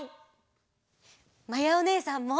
まやおねえさんも！